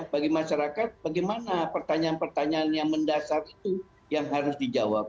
bagi masyarakat bagaimana pertanyaan pertanyaan yang mendasar itu yang harus dijawab